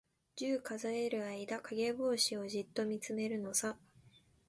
十、数える間、かげぼうしをじっとみつめるのさ。